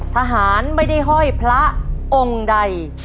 ทหารไม่ได้ห้อยพระองค์ใด